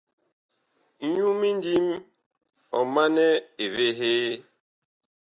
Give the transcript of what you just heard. Nyu mindím ɔ manɛ evehee.